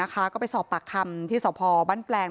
ก็ไปสอบปากคำที่สพบ้านแปลง